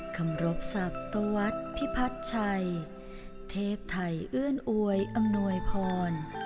คำรบศัตวัสดิพิพัฒน์ชัยเทพไทยเอื้อนอวยอำนวยพร